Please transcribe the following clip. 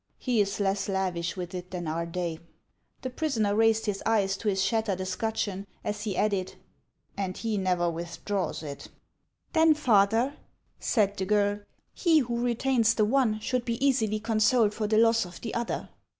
He is less lavish with it O '" than are they." The prisoner raised his eyes to his shattered escutcheon as lie added :" And he never withdraws it." " Then, father," said the girl, " he who retains the one should be easily consoled for the loss of the other."